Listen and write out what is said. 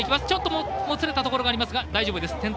ちょっともつれたところがありましたが大丈夫です。